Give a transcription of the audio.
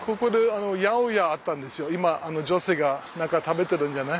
今女性が何か食べてるんじゃない。